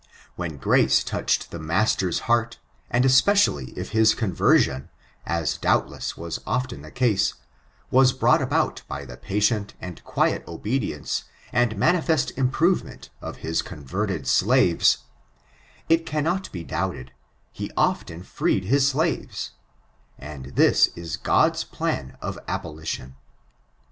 '' When grace 'tooched the master's heart, and especially if his converdcm, as doubtless was oflen the case, was broug^ about by the patient and quiet obedience, and manifest improvement of his converted slaves, it cannot be doubted, he oiuea fi eed his servants: and this is God's plan of abolition.